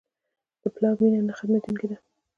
د پلار مینه نه ختمېدونکې ده.